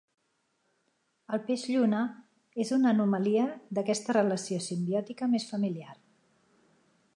El peix lluna és una anomalia d'aquesta relació simbiòtica més familiar.